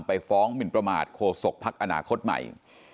ไปฟ้อมิลประมาทโคศกพรรคอนาคตใหม่